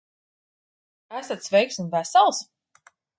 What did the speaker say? Esat sveiks un vesels?